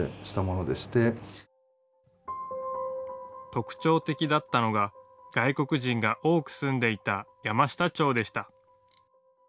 特徴的だったのが外国人が多く住んでいた山下町でした。